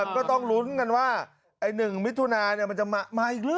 ก็ต้องลุ้นกันว่าไอ้๑มิถุนามันจะมาอีกหรือ